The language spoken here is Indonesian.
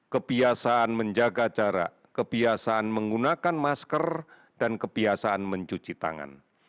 kebiasaan menjaga jarak kebiasaan menggunakan masker dan kebiasaan mencuci tangan